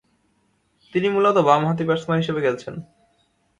তিনি মূলতঃ বামহাতি ব্যাটসম্যান হিসেবে খেলেছেন।